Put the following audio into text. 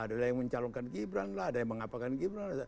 ada yang mencalonkan gibran lah ada yang mengapakan gibran